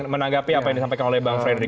menanggapi apa yang disampaikan oleh bang fredrik